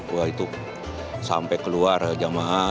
wah itu sampai keluar jamaah